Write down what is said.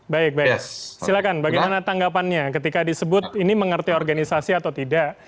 baik baik silakan bagaimana tanggapannya ketika disebut ini mengerti organisasi atau tidak